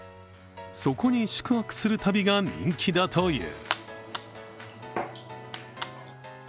そこに宿泊する旅が人気だという。